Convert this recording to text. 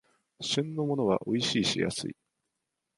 旬のものはおいしいし安い